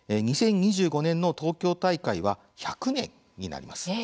２０２５年の東京大会は１００年になります。